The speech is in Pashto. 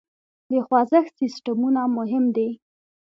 د خوزښت سیسټمونه مهم دي.